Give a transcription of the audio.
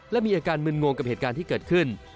และมีอาการมึนงงกับเหตุการณ์ที่เกิดขึ้น